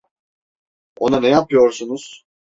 Ona ne yapıyorsunuz?